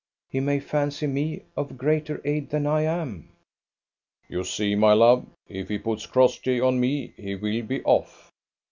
"He may fancy me of greater aid than I am." "You see, my love, if he puts Crossjay on me, he will be off.